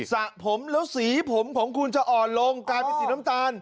สระผมแล้วสีผมของคุณจะอ่อนลงกลายเป็นสีน้ำตาล